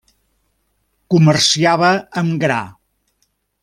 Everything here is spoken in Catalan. Comerciava amb gra.